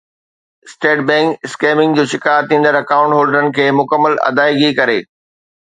state bank skimming جو شڪار ٿيندڙ اڪائونٽ هولڊرز کي مڪمل ادائيگي ڪري